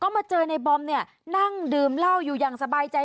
มาเจอในบอมเนี่ยนั่งดื่มเหล้าอยู่อย่างสบายใจ